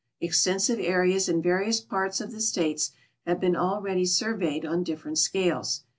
Extensive areas in various parts of the States have been already surveyed on different scales.